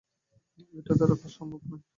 ওটার দ্বারা সম্ভব নয়।